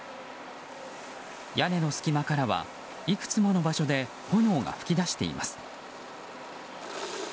屋根の隙間からはいくつもの場所で炎が噴き出しています。